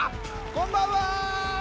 こんばんは。